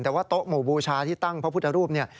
แต่ว่าโต๊ะหมู่บูชาที่ตั้งพระพุทธรูปเนี่ย